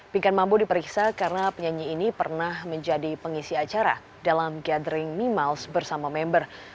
pikan mambo diperiksa karena penyanyi ini pernah menjadi pengisi acara dalam gathering miles bersama member